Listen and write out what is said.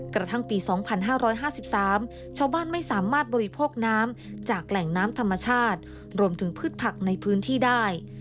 กระทั่งปี๒๕๕๓ชาวบ้านไม่สามารถบริโภคน้ำจากแหล่งน้ำธรรมชาติรวมถึงพืชผักในพื้นที่ได้